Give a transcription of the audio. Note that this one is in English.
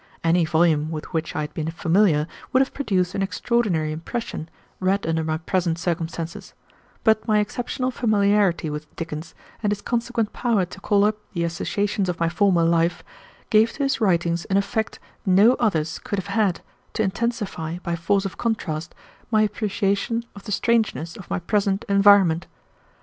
Any volume with which I had been familiar would have produced an extraordinary impression, read under my present circumstances, but my exceptional familiarity with Dickens, and his consequent power to call up the associations of my former life, gave to his writings an effect no others could have had, to intensify, by force of contrast, my appreciation of the strangeness of my present environment.